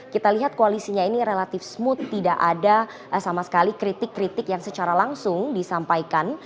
kita lihat koalisinya ini relatif smooth tidak ada sama sekali kritik kritik yang secara langsung disampaikan